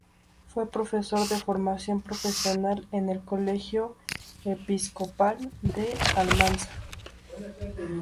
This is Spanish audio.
Fue profesor de formación profesional en el colegio episcopal de Almansa.